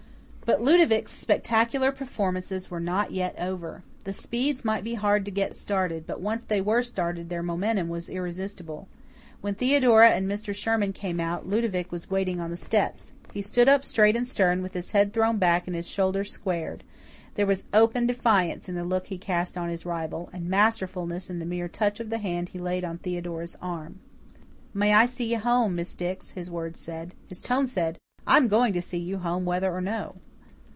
But Ludovic's spectacular performances were not yet over. The Speeds might be hard to get started, but once they were started their momentum was irresistible. When Theodora and Mr. Sherman came out, Ludovic was waiting on the steps. He stood up straight and stern, with his head thrown back and his shoulders squared. There was open defiance in the look he cast on his rival, and masterfulness in the mere touch of the hand he laid on Theodora's arm. "May I see you home, Miss Dix?" his words said. His tone said, "I am going to see you home whether or no."